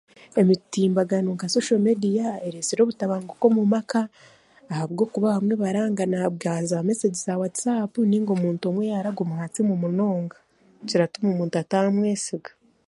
Emitimbagano nka shoso meediya eresire obutabanguko omu maka ahabwokuba bamwe barangana ahabwa za mesegi za waatisaapu nainga omuntu omwe yaaraguma aha siimu munonga kiratuma omuntu atamwesiga.